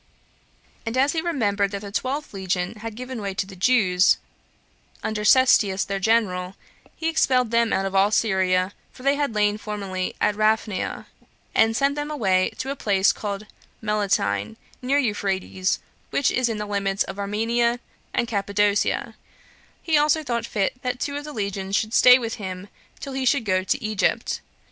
And as he remembered that the twelfth legion had given way to the Jews, under Cestius their general, he expelled them out of all Syria, for they had lain formerly at Raphanea, and sent them away to a place called Meletine, near Euphrates, which is in the limits of Armenia and Cappadocia; he also thought fit that two of the legions should stay with him till he should go to Egypt.